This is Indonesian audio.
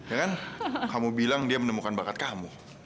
ya kan kamu bilang dia menemukan bakat kamu